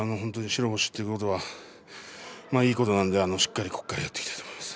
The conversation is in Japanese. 白星ということはいいことなので、しっかりここからやっていきたいと思います。